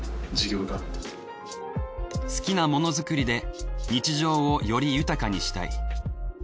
好きな物作りで日常をより豊かにしたい。